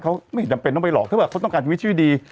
เขาไม่จำเป็นต้องไปหลอกถ้าว่าเขาต้องการชีวิตชื่อดี